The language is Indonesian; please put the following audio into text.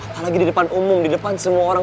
apalagi di depan umum di depan semua orang